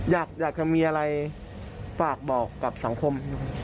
อยากจะมีอะไรฝากบอกกับสังคม